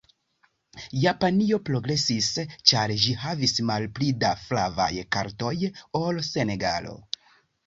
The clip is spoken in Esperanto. Japanio progresis ĉar ĝi havis malpli da flavaj kartoj ol Senegalo.